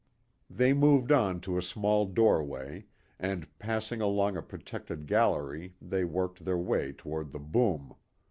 They moved on to a small doorway, and passing along a protected gallery they worked their way toward the "boom."